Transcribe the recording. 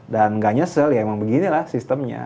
dan ga nyesel ya emang begini lah sistemnya